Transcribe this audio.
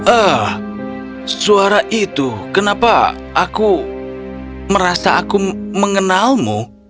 eh suara itu kenapa aku merasa aku mengenalmu